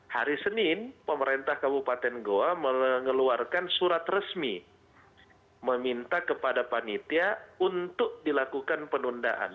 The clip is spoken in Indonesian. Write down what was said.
hari senin pemerintah kabupaten goa mengeluarkan surat resmi meminta kepada panitia untuk dilakukan penundaan